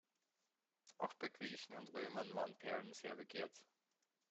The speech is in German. Auch bei Griechen und Römern waren Perlen sehr begehrt.